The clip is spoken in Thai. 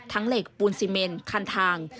เหล็กปูนซีเมนคันทาง